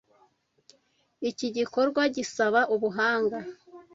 Iki gikorwa gisaba ubuhanga.